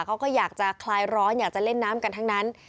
เขาก็อยากจะคลายร้อนอยากจะเล่นน้ำกันทั้งนั้น